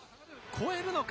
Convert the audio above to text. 超えるのか？